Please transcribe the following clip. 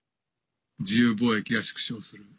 自由貿易が縮小する。